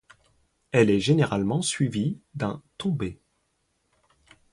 Elle est généralement suivie d'un tombé.